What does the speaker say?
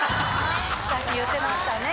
さっき言ってましたね